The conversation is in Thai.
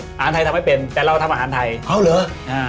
อาหารไทยทำให้เป็นแต่เราทำอาหารไทย